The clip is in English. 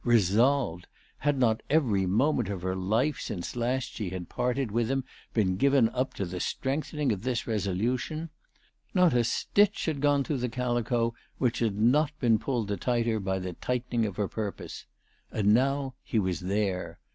Resolved ! Had not every moment of her life since last she had parted with him been given up to the strengthening^^ this resolution ? Not a stitch had gone through the calico which had not been pulled the tighter by the tightening of her purpose ! And now he was there.